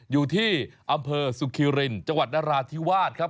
อยู่ที่อำเภอสุคิรินจนราธิวาสครับ